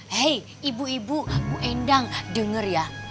hei ibu ibu bu endang dengar ya